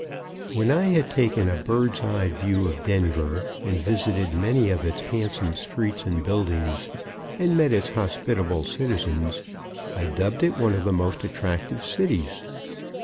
_ When I had taken a bird's eye view of Denver, and visited many of its handsome streets and buildings, and met its hospitable citizens, I dubbed it one of the most attractive cities.